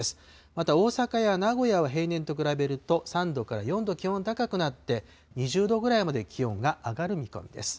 また大阪や名古屋は平年と比べると３度から４度気温が高くなって、２０度ぐらいまで気温が上がる見込みです。